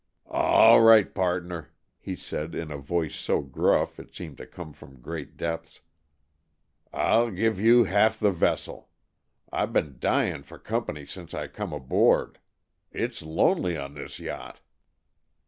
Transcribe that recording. "All right, pardner," he said in a voice so gruff it seemed to come from great depths, "I'll give you half the vessel. I've been dyin' for company since I come aboard. It's lonely on this yacht."